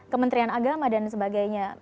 kementerian agama dan sebagainya